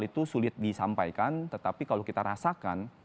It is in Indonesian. itu sulit disampaikan tetapi kalau kita rasakan